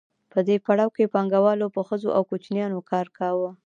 په دې پړاو کې پانګوالو په ښځو او کوچنیانو کار کاوه